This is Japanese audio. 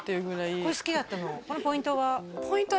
これポイントは？